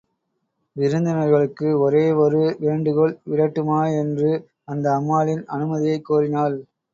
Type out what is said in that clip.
விருத்தினர்களுக்கு ஒரேவொரு வேண்டுகோள் விடட்டுமா? என்று அந்த அம்மாளின் அணுமதியைக் கோரினாள்.